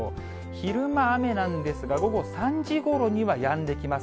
昼間、雨なんですが、午後３時ごろにはやんできます。